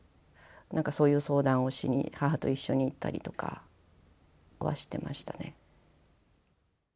何かそういう相談をしに母と一緒に行ったりとかはしてましたね。